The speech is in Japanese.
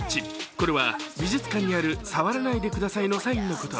これは美術館にある「触らないでください」のサインのこと。